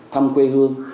thăm quê hương